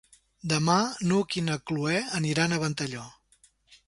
Demà n'Hug i na Cloè aniran a Ventalló.